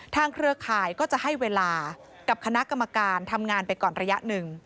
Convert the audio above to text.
เครือข่ายก็จะให้เวลากับคณะกรรมการทำงานไปก่อนระยะหนึ่ง